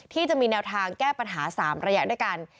ที่จะมีแนวทางแก้ปัญหา๓ระยะด้วยกัน